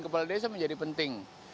kita dapat mencari sosial desa menjadi penting